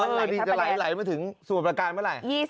อือจะไหลมาถึงส่วนประการเมื่อไหล